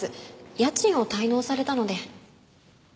家賃を滞納されたので。